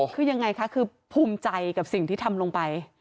คือยังไงคะคือภูมิใจกับสิ่งที่ทำลงไป